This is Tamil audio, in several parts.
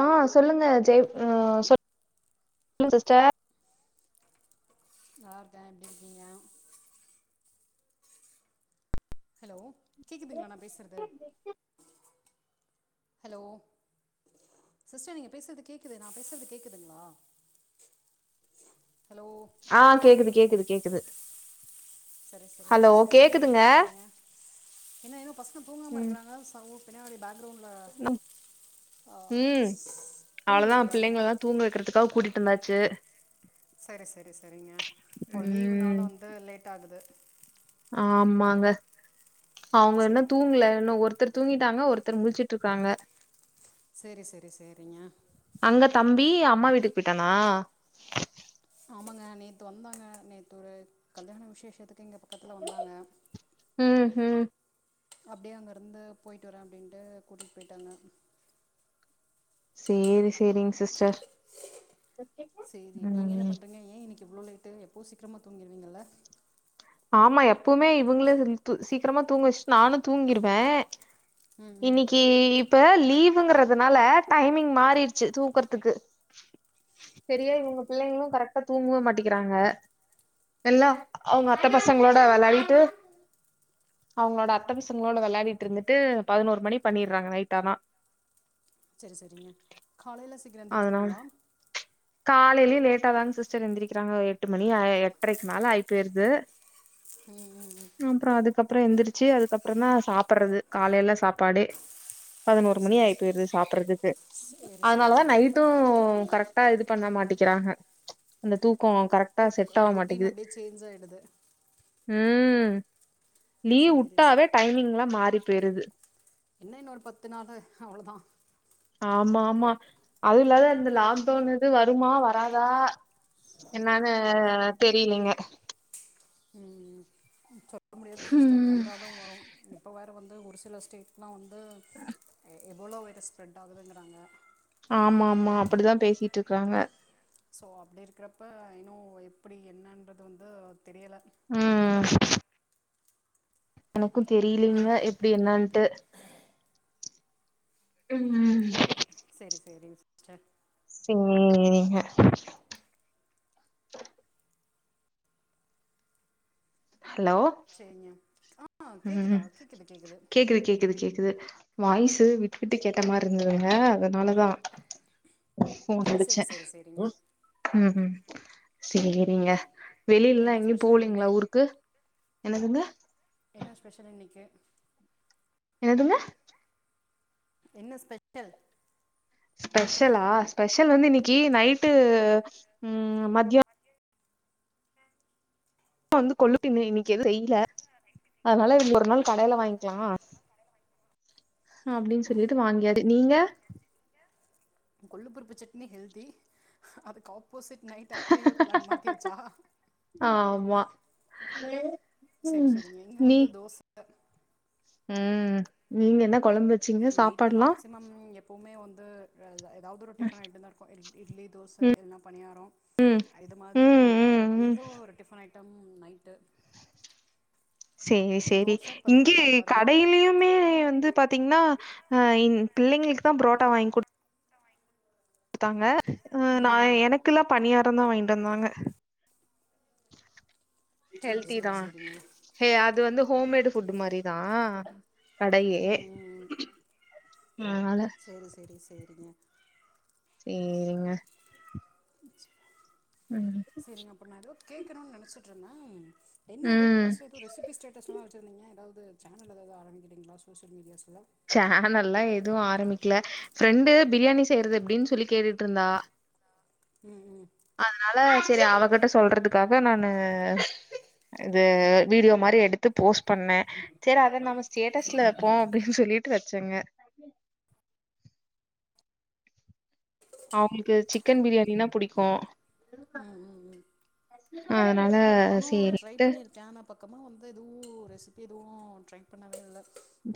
ஆ சொல்லுங்க ஜெய் ஆ சொ க சிஸ்டர் நல்லாருக்கே எப்டி இருக்கீங்க ஹலோ கேக்குதுங்ளா நா பேசறது ஹலோ சிஸ்டர் நீங்க பேசுறது கேக்குது நா பேசுறது கேக்குதுங்களா ஹலோ ஆ கேக்குது கேக்குது கேக்குது சரி சரிங்க ஹலோ சிஸ்டர் என்ன கேக்குதுங்க பண்ணிட்ருக்கீங்க என்னா இன்னு பசங்க தூங்காம ம் இருக்குறாங்க சவு பின்னாடி பேக்ரவுண்ட்ல ஆ ம் தூங்கலைங்ளா இன்னு அக்காவ கூட்டிட்டு வந்தாச்சு சரி சரி சரிங்க ஓ லீவுனால ம் வந்து லேட்டாகுது ஆமாங்க அவங்க இன்னு சரி தூங்ல இன்னு ஒருத்தர் தூங்கிட்டாங்னா ஒருத்தரு முழிச்சிட்ருக்காங்க செரி செரி சேரிங்க அங்க தம்பி அம்மா வீட்டுக் போயிட்டானா ஆமாங்க நேத்து வந்தாங்க நேத்து ஒரு கல்யாண விசேஷத்துக்கு இங்க பக்கத்துல வந்தாங்க உம் உம் அப்டியே அங்கருந்து போயிட்டு வரே அப்டின்ட்டு கூட்டிட் போயிட்டாங்க சேரி சேரிங்க சிஸ்டர் சேரி நீங்க என்ன ம் பண்றீங்க ஏ இன்னைக்கி இவ்ளோ லேட்டு எப்பவு சீக்ரமா தூங்கிருவீங்கல்ல ஆமா எப்பவுமே இவங்கள ரித்து சீக்ரமா தூங்க வச்ட்டு நானு தூங்கிருவே ம் ம் இன்னைக்கீ இப்ப லீவுங்குறதுனால டைமிங் மாறிருச்சி தூக்கறதுக்கு செரியா இவங்க பிள்ளைங்களு கரெக்டா தூங்கவு மாட்டேக்கிறாங்க எல்லா அவங்கப் மத்த பசங்களோட வெளையாடிட்டு அவங்களோட அத்த பசங்களோட வெளையாடிட்ருந்துட்டு பதினோரு மணி பண்ணிர்றாங்க நைட்டானா செரி செரிங்க காலையில சீக்ரோ எந்திர்ச்சிப்பாங்ளா காலையிலயே லேட்டாதாங்க சிஸ்டர் எந்திரிக்கிறாங்கோ எட்டு மணி ஆயி எட்ரைக்கு மேல ஆயிப்போயிருது ம் ம். ஆம்ப்றோ அதுக்கப்றோ எந்திரிச்சி அதுக்கப்றோந்தா சாப்பட்றது காலைல சாப்பாடே பதினோரு மணி சரி ஆகி போயிருது சாப்பட்றதுக்கு சரி அதுனாலதா சரிங்க நைட்டூ கரெக்ட் டா இது பண்ண மாட்டேக்கிறாக அந்த தூக்கோ கரெக் தூக் அந்த ரொட்டீன் அப்டியே சேஞ்சாயிடுது உம் சரி சரி. லீவுட்டாவே டைமிங்லா மாறி போயிருது என்ன இன்னு ஒரு பத்து நாள் தா அவ்வளோதா ஆமா ஆமா அதுவு இல்லாத அந்த லாக்டவுன் இது வருமா வராதா என்னன்னு தெரிலிங்க ம் சொல்ல முடியாது [unintelligible] ஸ்டாண்ட் ம் வந்தாலு வரும் இப்ப வேற வந்து ஒரு சில ஸ்டேட்லா வந்து எபோளோ வைரஸ் ஸ்பரெட் ஆகுதுங்கிறாங்க ஆமா ஆமா அப்டிதா பேசிட்ருக்கிறாங்க ஸோ அப்டி இருக்கிறப்ப இன்னு எப்டி என்னன்றது வந்து தெரியல ம் எனக்கு தெரியலீங்க எப்டி என்னட்டு ம் செரி செரி சிஸ்டர் சேரிங்க ஹலோ சேரிங்க ஆ கேட்குதா ம் கேட்குது கேட்குது கேக்குது கேக்குது கேக்குது வாய்ஸு விட்டு விட்டு கேட்ட மாரி இருந்ததுங்க அதனாலதா படிச்சே சரி சரி சரிங்க ம் சேரிங்க வெளியிலல்லா என்ன எங்கியும் ஸ்பெஷல் போலீங்களா இன்னைக்கு ஊருக்கு என்னதுங்க என்ன ஸ்பெஷலு இன்னைக்கு என்னதுங்க என்ன ஸ்பெஷல் ஸ்பெஷலா ஸ்பெஷல் வந்து இன்னைக்கு நைட்டு ம் மத்ய வந்து கொல்லு [unintelligible] இன்னைக்கு எது செய்ல அதனால இன்னைக்கு ஒரு நாள் கடையில வாங்கிக்கலா அப்டின்னு சொல்லிட்டு வாங்கியாது நீங்க கொள்ளுபருப்பு சட்னி ஹெல்தி அதுக்கு ஆப்போசிட் நைட் அப்டியே பிளான் மாத்தியாச்சா ஆமா சேரி ம் சேரிங்க இங்க நீ வந்து தோச ம் நீங்க என்ன கொழம்பு வச்சீங்க நைட்டு சாப்பாடுலா மேக்சிமம் எப்போமே வந்து ரே ஏதாது ஒரு டிஃபன் ஐட்டம் தா இருக் கு இட்லி தோச இல்லனா பணியார இது மாதிரி ம் வந்து ம் ம் ஏதோ ஒரு டிஃபன் ஐட்டம் நைட்டு சேரி சேரி தோசை பருப்பு இங்கே சாம்பாருங்க கடையிலுமே வந்து பாத்தீங்கன்னா ஆ இங் பிள்ளைங்களுக்கு தா புரோட்டா வாங்கி குடுத் த்தாங்க அஹ் நா ம் எனக்கெல்லா பணியாரோ தா வாங்கிட்டு வந்தாங்க சேரி ஹெல்தி சேரி தா சேரிங்க ஹே அது வந்து ஹோம்மேடு ஃபுட் மாரி தா கடையே ம் அதுனால சேரி சேரி சேரிங்க சேரிங்க ம் சேரிங்க அப்ப நா எதோ கேக்கணுன்னு நெனச்சிட்டுருந்தே என்ன ஏதோ ம் புதுசா ஏதோ ரெசிபி ரெசிபி ஸ்டேட்டஸ்ல்லா வெச்சிருந்தீங்க எதாவ்து சேனல் எதாவது ஆரம்பிக்கிறீங்களா சோசியல் மீடியாஸ்ல சேனல்ல்லா எதுவு ஆரம்பிக்கல ஃப்ரெண்டு பிரியாணி செய்றது எப்டின்னு சொல்லி கேட்டுட்டுருந்தா ம் ம் அதனால செரி அவகிட்ட சொல்றதுக்காக நானு அது வீடியோ மாரி எடுத்து போஸ்ட் பண்ணே செரி அத நாம ஸ்டேட்டஸ்ல வெப்போ அப்டின்னு சொல்லி ட்டு வெச்சங்க அவுங்களுக்கு சிக்கன் பிரியாணினா புடிக்கு ம் ம் ம் அதனால சேரின்ட்டு பக்கமா வந்து எதுவு ரெசிப்பி எதுவு ட்ரை பண்ணவே இல்ல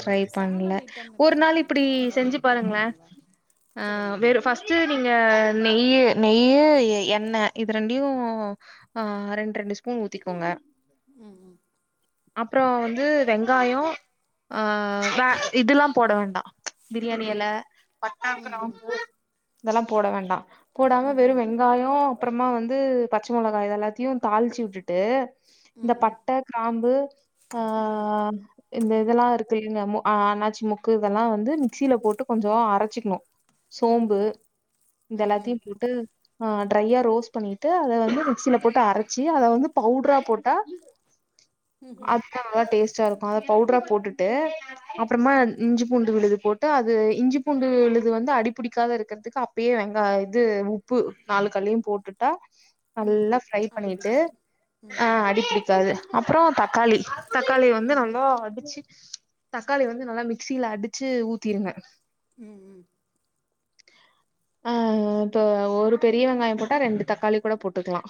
ட்ரை பண்ல ஒரு நாள் இப்டி ஏதாவது செஞ்சு ப்ரிப்பேர் பாருங்கள பண்ணுவீங்களா ஆ சொல்லுங்க வெறு ஃபஸ்ட் ட்டு நீங்க நெய்யு நெய்யு எ எண்ண இது ரெண்டியு ஆ ரெண்டு ரெண்டு ஸ்பூன் ஊத்திக்கோங்க ம் ம் அப்ரோ வந்து வெங்காயோ ஆ வே இதெல்லா போட வேண்டா பிரியாணியெல பட்டா ம் ம் க்ராம்பூ இதெல்லா போட வேண்டா போடாம வெறு ம் வெங்காயோ அப்புறமா வந்து பச்ச மொளகா இது எல்லாத்தயு தாளிச்சு விட்டுட்டு இந்த ம் ம் பட்ட க்ராம்பு ஆ இந்த இதெல்லா இருக்கில்லிங்க மு அன்னாச்சி முக்கு இதெல்லா வந்து மிக்சில போட்டு கொஞ்சோ அரச்சுக்கணு ம் சோம்பு ம் இத ம் எல்லாத்தயு ம் போட்டு ஆ ட்ரையா ரோஸ்ட் பண்ணிட்டு அத வந்து மிக்சில போட்டு அரச்சு அத வந்து பவுட்ரா போட்டா அப்னாதா டேஸ்ட்டா இருக்கு அத பவுட்ரா போட்டுட்டு அப்றமா இஞ்சி பூண்டு விழுது போட்டு அது இஞ்சி பூண்டு விழுது வந்து அடிபிடிக்காத இருக்றதுக்கு அப் அப்பயே வெங்காய் இது உப்பு நாலு கல்லயு போட்டுட்டா ம் நல்லா ம் ஃப்ரை அடி பண்ணிட்டு பிடிக்காது ம் ஆ ம் அடிப்பிடி க்காது அப்றோ தக்காளி தக்காளி வந்து நல்லா அடிச்சு தக்காளி வந்து நல்லா மிக்சில அடிச்சு ஊத்திருங்க ம் ம் [inaudible] ஆ ஆ இப்ப ஒரு பெரிய வெங்காயோ போட்டா ரெண்டு தக்காளி கூட போட்டுக்லா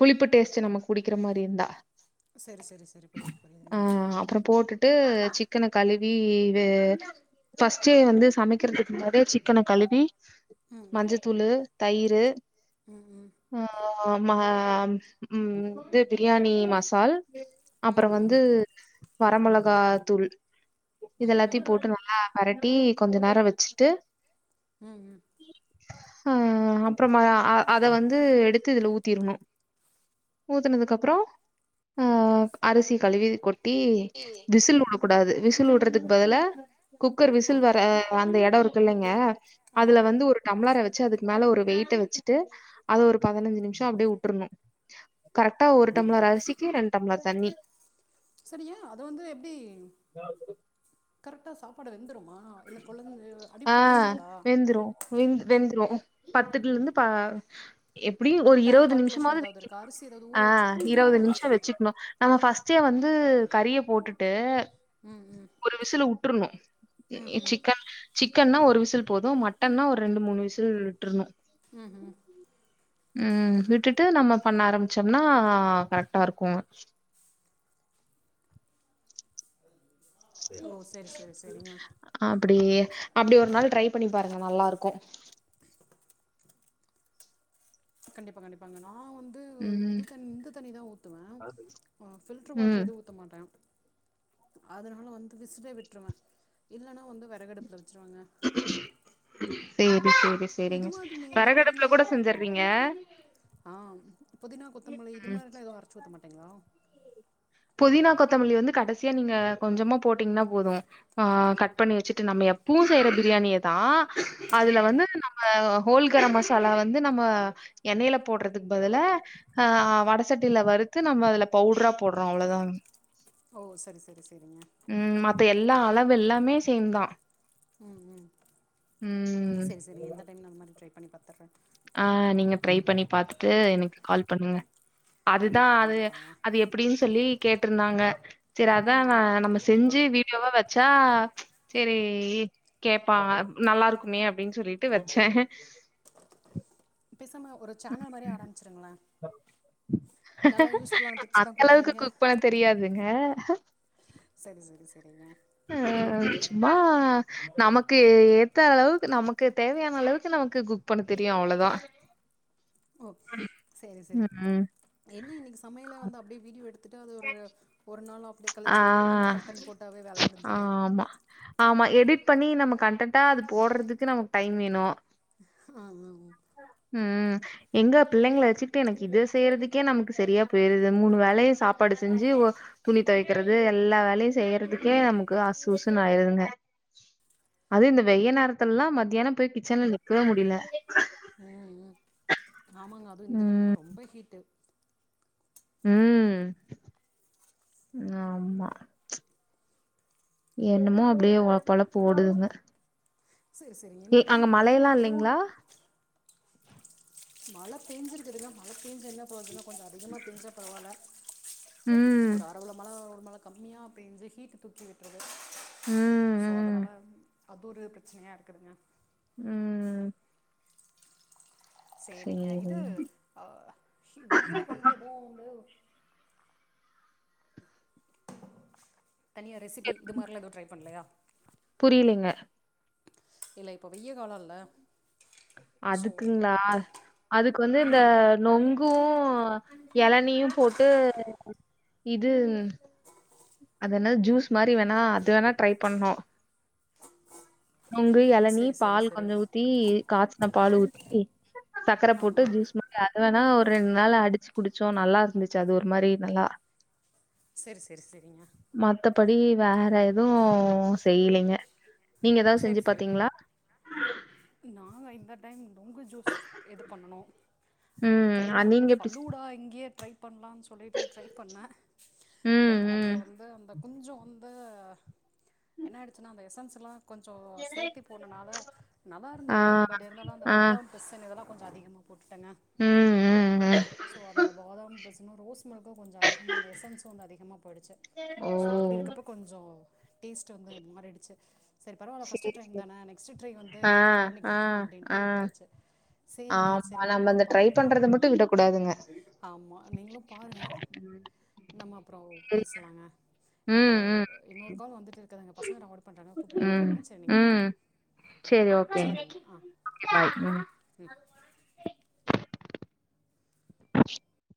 புளிப்பு டேஸ்ட்டு நமக்கு பிடிக்கிறமாரி இருந்தா செரி செரி செரி புரியுது புரியுதுங்க அப்றோ போட்டுட்டு சிக்கன கழுவி இது ஃபஸ்ட்டு வந்து சமைக்கிறதுக்கு முன்னாடி சிக்கன கழுவி ம் ம் மஞ்சத்தூளு தயிரு ம் ம் ம் ஆமா ம் இது பிரியாணி மசால் அப்றோ ம் ம் வந்து வரமொளகா தூள் ம் இதெல்லாத்தயு ம் போட்டு நல்லா விரட்டி கொஞ்ச நேரோ வச்சுட்டு ம் ம் ஆ அப்றமா அ அத வந்து எடுத்து இதுல ஊத்திர்ணு ஊத்துனதுக்கப்றோ அரிசி கழுவி கொட்டி விசில் வுடக்கூடாது விசில் வுட்றதுக்கு பதிலா குக்கர் ஆ விசில் வர அந்த எடோ இருக் குல்லைங்க அதுல ஆமாம் வந்து ஒரு டம்ளார வெச்சு அதுக்கு மேல ஒரு வெயிட்ட வச்சுட்டு அது ஒரு பதினஞ்சு நிம்ஷோ அப்டியே வுட்றணு கரெக்டா ஒரு டம்ளர் அரிசிக்கு ரெண்டு டம்ளர் தண்ணி சரியே அது வந்து எப்டி ஆ சொல்லு கரெக்ட்டா சாப்பாடு வெந்துருமா இல்ல கொழஞ்ஞி ஆ அடிபிடிச்சிறதா வெந்துரு வெந் வெந்ரும் பத்துட்டுல இருந்து பா எப்டியு அந்த ஒரு டைம் இருவது கால்குலேஷன் நிமிஷமாவது ஏதாவது வைக்கணு இருக்கா அரிசி ஏதாவது ஊற ஆ வச்சு வைப்பீங்களா இருவது நிமிஷோ ம் வச்சு நம்ம ஃபர்ஸ்ட்டே வந்து கறிய போட்டுட்டு ம் ம் ஒரு விசுல விட்ரணு சிக்கன் சிக்கன்னா ஒரு விசில் போது மட்டன்னா ஒரு ரெண்டு மூணு விசில் விட்ரணு ம் ம் ம் விட்டுட்டு நம்ம பண்ண ஆரம்பிச்சம்னா கரெக்டா இருக்கு ஓ சரி சரி சரிங்க அப்டி அப்டி ஒரு நாள் ட்ரை பண்ணி பாருங்க நல்லா இருக்கு கண்டிப்பா கண்டிப்பாங்க நா வந்து ம் இது தண்ணி இந்த தண்ணி தா ஊத்துவே பில்டர் வாட்டர் ம் எது ஊ த்த மாட்டே அதனால வந்து விசிலே விட்ருவே இல்லன்னா வந்து வெறகடுப்புல வெச்சருவங்க சேரி சேரி இது சேரிங்க மாதிரி நீங்கள் இந்த வெறகடுப்புல புதினா கூட செஞ்சுற்றீங்க ஆ புதினா கொத்தமல்லி இது மாரி எல்லா எது அரச்சி ஊத்த மாட்டீங்களா புதினா கொத்தமல்லி வந்து கடசியா நீங்க கொஞ்சமா போட்டீங்கன்னா போது ஆ கட் பண்ணி வெச்சுட்டு நம்ம எப்பவு செய்யற பிரியாணிய தா ம் அதுல ம் வந்து நம் ஆ ஹோல்கரமசாலா வந்து நம்ம எண்ணெயில போட்றதுக்கு பதுல ஆ வட சட்டியில வறுத்து நம்ம அதுல பவுட்ரா போட்றோ அவ்ளோதாங் ஓ சரி சரி சரிங்க ம் மத்த எல்லா அளவு எல்லாமே சேம்தா ம் செரி செரி எந்த டைம்னு அந் மாரி ட்ரை பண்ணி பாத்துறே ஆ நீங்க ட்ரை பண்ணி பாத்துட்டு எனக்கு கால் பண்ணுங்க அதுதா கண்டிப்பாக அது கண்டிப்பாங்க அதுஎப் இப்டின்னு சொல்லி கேட்டுருந்தாங்க செரி அதா ம் நா ம் நம்ம செஞ்சு வீடியோவ வச்சா ச் செரி கேப்பாங்க நல்லாருக்குமே அப்டின்னு சொல்லிட்டு வெச்சே பேசாம ஒரு சேனல் மாரி ஆரம்பிச்சுருங்கலே நல்லா யூஸ்ஃபுல்லான டிப்ஸ் தா அந்த அளவுக்கு குடுக்கறீங்க குக் பண்ண தெரியாதுங்க சரி சரி சரிங்க ஆ சும்மா நமக்கு ஏத்த அளவுக் நமக்கு தேவையான அளவுக்கு நமக்கு குக் பண்ண தெரியு அவளோதா [inaudible] ஓக் சரி சரி ம். என்ன இன்னிக்கு சமையல வந்து அப்டியே வீடியோ எடுத்து எடுத்துட்டு அது ஒரு ஒரு நாளோ அப்டியே ஆ, கழச்சு எடிட் பண்ணி கன்டென்ட் போட்டாவே வேல முடிஞ்சது ஆமா. ஆமா எடிட் பண்ணி நம்ம கண்டன்டா அது போட்றதுக்கு நமக்கு டைம் வேணு ஆ ஆ ம் எங்க பிள்ளைங்கள வச்சுக்கிட்டு எனக்கு இத செய்றதுக்கே நமக்கு சரியா போயிருது மூணு வேலையு சாப் பாடு செஞ்சு ஒ துணி துவக்கிறது எல்லா வேலயு செய்யறதுக்கே நமக்கு அஸ்சு உஸ்சுன்னு ஆயிருதுங்க அது இந்த வெய்ய நேரத்துல மதியான போய் கிச்சன்ல நிக்கவே முடில ம் ம் ஆமாங்க அதுவு இந்த ம் டைம்னா ரொம்ப ஹீட்டு ம் ஆமா என்னமோ அப்டியே ஒழப் பொழப்பு ஓடுதுங்க சரி சரி ஏ எந்த அங்க டைம்க்கு மழையெல்லா வெயிலுக் எதுவு இல்லைங்களா மழை பெஞ்சுருக்குதுங்க மழ பேஞ்சு என்ன புரோஜன கொஞ்சோ அதிகமா பேஞ்சா பரவால்ல ம் ஒரு அறவள மழ ஒரு மழ கம்மியா பேஞ்சு ஹீட் தூக்கி விட்ருது ம் சோ ம் அதனால அது ஒரு பிரச்சனயா இருக்குதுங்க ம் சேரிங்க இது அ வெயிலுக்கு வந்து எதோ ஒன்னு தனியா ரெசிபி இதுமாரிலா எது ட்ரை பண்லயா புரியிலிங்க இல்ல இப்ப வெயில் காலல்ல அதுக்குங்ளா அதுக்கு வந்து இந்த நொங்கு இளநீயு போட்டு இது அது என்ன ஜூஸ் மாரி வேணா அது வேணா ட்ரை பண்ணோ நொங்கு இளநீ சரி சரி பால் சரி கொஞ்ச ஊத்தி காய்ச்சின பால் ஊத்தி சக்கரை ஆ போட்டு ஆ ஜூஸ் மாரி அது வேணா ஒரு ரெண்டு நாள் அடிச்சு குடிச்சோ நல்லா இருந்துச்சு அது ஒரு மாரி நல்லா சரி சரி சரிங்க மத்தபடி வேற எதுவு செய்யலிங்க நீங்க எதாவது செஞ்சி பாத்தீங்ளா நா இந்த டைம் நொங்கு ஜூஸ் இது பண்ணணு ம் அதுக்கப்ற அ வந்து நீங்க எப்படி செ- ஃபலூடா இங்கயே ட்ரை பண்ணலான் சொல்லிட்டு ட்ரை பண்ண ம் பட் ம் அதுல வந்து அந்த கொஞ்சோ வ அப்போ என்ன ஆய்டுச்சுன்னா அந்த எசன்ஸ்லா கொஞ்சோ சேர்த்தி போனனால நல்லா ஆ இருந்துது பட் இருந்தாலு அந்த ஆ பாதம் பிசின் இதெல்லா கொஞ்சோ அதிகமா போட்டுட்டனா ம் ம் ம் சோ அந்த பாதாம் பிசினு ரோஸ் மில்கு கொஞ்சோ அதிக நம்மால் எசன்ஸ் வந்து அதிகமா போய்டுச்சு ஓ ஸோ அப்டி இருக்கப்போ கொஞ்சோ டேஸ்ட் வந்து மாரிடுச்சு செரி பரவால்ல சரி ஃபர்ஸ்டு டைம் சரி தான நெக்ஸ்டு ட்ரை வந்து ஆ கரெக்டா ஆ பண்ணிக்கலா அப்டின்ட்டு ஆ விட்டாச்சு சரிங்க ஆமா சரி நம்ம அந்த நீங்களும் ட்ரை பண்றத மட்டு விட கூடாதுங்க ஆமா நீங்களு பாருங்க நம்ம அப்பற சரி பேசலாங்க எனக்கு ம் ம் இன்னொரு கால் வந்துட்டு இருக்குதுங்க பசங்க எதோ ஆர்டர் பண்றாங்க கூப்ட்டுட்டே இருக் ம் க்காங்க சரி நீங்க ம் பாருங்க சரி ஓகேங்க செரிங்க ஆ பாய் ம் ம்